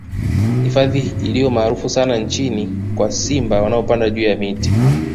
Hifadhi iliyo maarufu sana nchini kwa simba wanaopanda juu ya miti